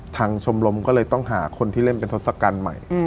ชมรมก็เลยต้องหาคนที่เล่นเป็นทศกัณฐ์ใหม่